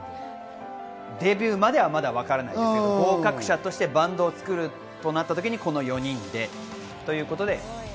デビューまではまだわからないですけれども、合格者としてバンドを作るとなった時にこの４人でということで。